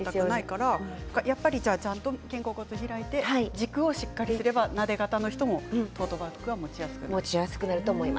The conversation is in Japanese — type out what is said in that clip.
ちゃんと肩甲骨を開いて軸をしっかりすればなで肩の人もトートバッグが持ちやすくなる。